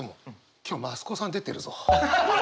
今日増子さん出てるぞ。